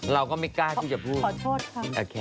เราก็ไม่กล้าช่วยจะว่าขอโทษค่ะโอเค